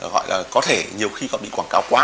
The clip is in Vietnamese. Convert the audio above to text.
gọi là có thể nhiều khi họ bị quảng cáo quá